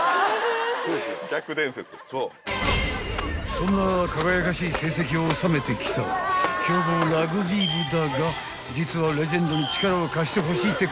［そんな輝かしい成績を収めてきた強豪ラグビー部だが実はレジェンドに力を貸してほしいってことぜよ］